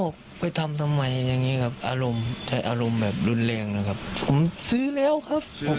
กลมร้อนเขาก็จะไปคัวมีดนี้ครับ